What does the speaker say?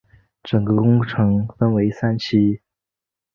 整个工程共分三期。